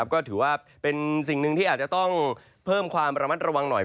ก็ถือว่าเป็นสิ่งหนึ่งที่อาจจะต้องเพิ่มความระมัดระวังหน่อย